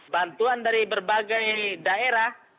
bantuan dari berbagai daerah